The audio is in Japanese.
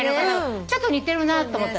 ちょっと似てるなと思った。